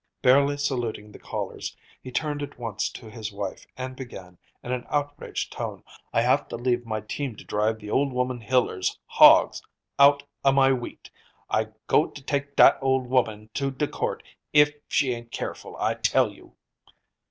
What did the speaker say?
Barely saluting the callers, he turned at once to his wife and began, in an outraged tone, "I have to leave my team to drive the old woman Hiller's hogs out a my wheat. I go to take dat old woman to de court if she ain't careful, I tell you!"